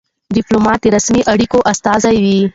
ډيپلومات د رسمي اړیکو استازی وي.